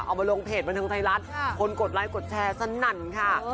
เอามาลงเพจบรรทัยรัฐคนกดไลค์กดแชร์สันนั่นค่ะ